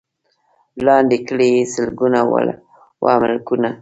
لاندي کړي یې سلګونه وه ملکونه